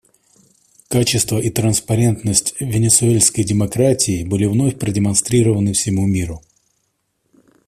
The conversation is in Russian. Качество и транспарентность венесуэльской демократии были вновь продемонстрированы всему миру.